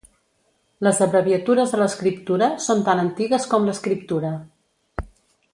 Les abreviatures a l'escriptura són tan antigues com l'escriptura.